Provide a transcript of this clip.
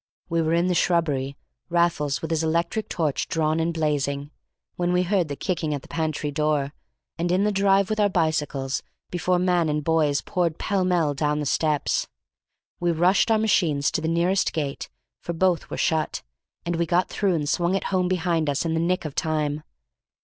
We were in the shrubbery, Raffles with his electric torch drawn and blazing, when we heard the kicking at the pantry door, and in the drive with our bicycles before man and boys poured pell mell down the steps. We rushed our machines to the nearer gate, for both were shut, and we got through and swung it home behind us in the nick of time.